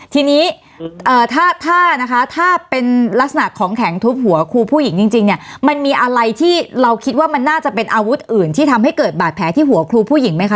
ทีนี้ถ้าถ้านะคะถ้าเป็นลักษณะของแข็งทุบหัวครูผู้หญิงจริงเนี่ยมันมีอะไรที่เราคิดว่ามันน่าจะเป็นอาวุธอื่นที่ทำให้เกิดบาดแผลที่หัวครูผู้หญิงไหมคะ